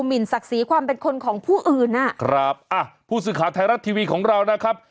หินศักดิ์ศรีความเป็นคนของผู้อื่นอ่ะครับอ่ะผู้สื่อข่าวไทยรัฐทีวีของเรานะครับ